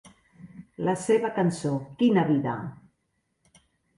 La seva cançó Quina vida!